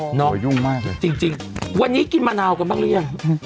น้อยุ่งมากเลยจริงวันนี้กินมะนาวกันบ้างหรือยัง